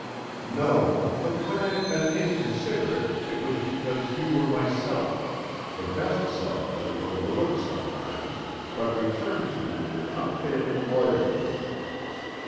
"No, but when I have been inconsiderate it was because you were myself, the best self that we overlook sometimes, but return to with unfailing loyalty.